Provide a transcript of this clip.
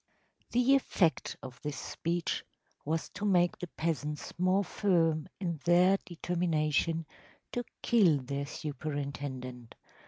‚ÄĚ The effect of this speech was to make the peasants more firm in their determination to kill their superintendent.